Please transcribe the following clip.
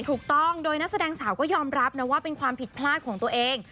ถูกต้องโดยนักแสดงสาวก็ยอมรับนะว่าเป็นความผิดพลาดของตัวเอง